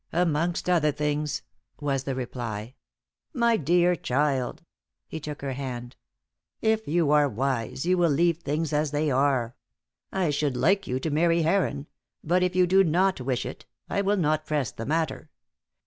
"Amongst other things," was the reply. "My dear child" he took her hand "if you are wise, you will leave things as they are. I should like you to marry Heron; but if you do not wish it. I will not press the matter.